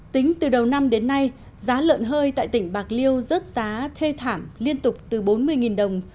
tính từ đầu năm đến nay giá lợn hơi tại tỉnh bạc liêu rớt giá thê thảm liên tục từ bốn mươi đồng